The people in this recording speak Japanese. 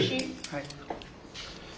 はい。